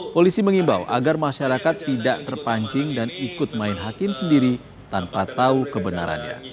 polisi mengimbau agar masyarakat tidak terpancing dan ikut main hakim sendiri tanpa tahu kebenarannya